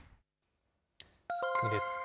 次です。